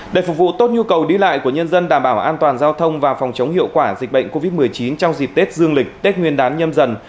để phục vụ tốt nhu cầu đi lại của nhân dân đảm bảo an toàn giao thông và phòng chống hiệu quả dịch bệnh covid một mươi chín trong dịp tết dương lịch tết nguyên đán nhâm dần